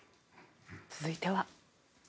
続いては。